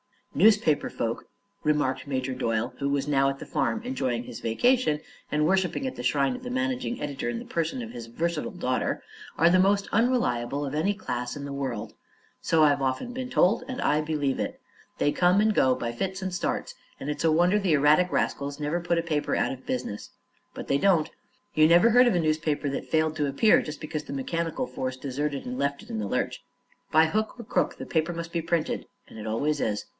"Newspaper folk," remarked Major Doyle, who was now at the farm enjoying his vacation and worshipping at the shrine of the managing editor in the person of his versatile daughter, "are the most unreliable of any class in the world. So I've often been told, and I believe it. They come and go, by fits and starts, and it's a wonder the erratic rascals never put a paper out of business. But they don't. You never heard of a newspaper that failed to appear just because the mechanical force deserted and left it in the lurch. By hook or crook the paper must be printed and it always is.